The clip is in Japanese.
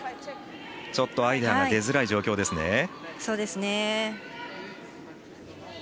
ちょっとアイデアが出づらい状況ですね。